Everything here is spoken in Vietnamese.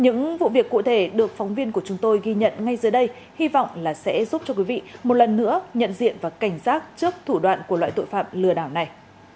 những vụ việc cụ thể được phóng viên của chúng tôi ghi nhận ngay dưới đây hy vọng là sẽ giúp cho quý vị một lần nữa nhận diện và cảnh giác trước thủ đoạn của loại tội phạm lừa đảo này